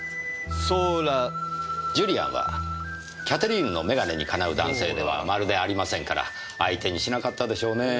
ジュリアンはキャテリーヌの眼鏡にかなう男性ではまるでありませんから相手にしなかったでしょうねえ